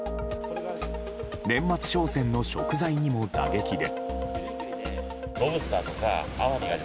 年末商戦の食材にも打撃で。